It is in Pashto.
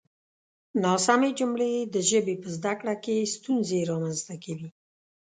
ناسمې جملې د ژبې په زده کړه کې ستونزې رامنځته کوي.